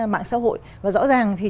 mạng xã hội và rõ ràng thì